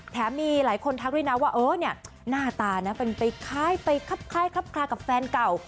แถมมีหลายคนทักด้วยนะว่าเออเนี่ยหน้าตาน่ะเป็นไปคล้ายคลับคลากับแฟนเก่า